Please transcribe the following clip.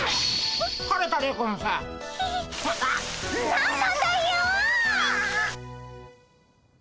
何なんだよ！